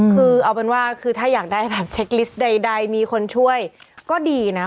คือเอาเป็นว่าคือถ้าอยากได้แบบเช็คลิสต์ใดมีคนช่วยก็ดีนะ